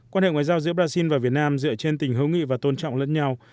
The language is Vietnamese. quan hệ ngoại giao giữa brazil và việt nam dựa trên tình hữu nghị và tôn trọng lẫn nhau